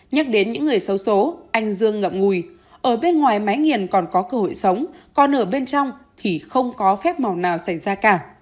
nhắc đến những người xấu xố anh dương ngậm ngùi ở bên ngoài máy nghiền còn có cơ hội sống còn ở bên trong thì không có phép màu nào xảy ra cả